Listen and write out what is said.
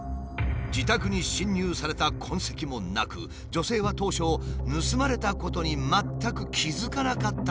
自宅に侵入された痕跡もなく女性は当初盗まれたことに全く気付かなかったという。